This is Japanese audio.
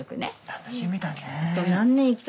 楽しみだね。